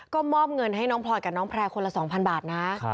ก็มอบเงินให้น้องพลอยกับน้องแพร่คนละ๒๐๐บาทนะ